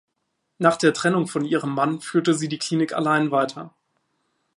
Nach der Trennung von ihrem Mann führte sie die Klinik allein weiter.